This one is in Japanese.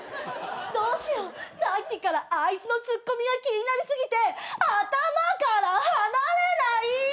どうしようさっきからあいつのツッコミが気になり過ぎて頭から離れない！